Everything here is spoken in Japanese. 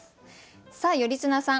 さあ頼綱さん